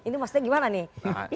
itu maksudnya gimana nih